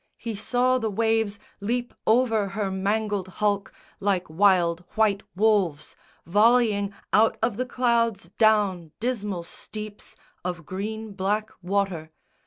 He saw the waves Leap over her mangled hulk, like wild white wolves, Volleying out of the clouds down dismal steeps Of green black water.